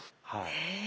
へえ。